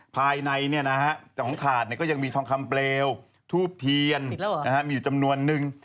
ภายในของถาดก็ยังมีทองคำเปลวทูบเทียนมีอยู่จำนวนนึง